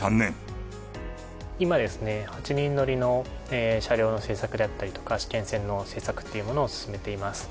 今ですね８人乗りの車両の製作だったりとか試験線の製作っていうものを進めています。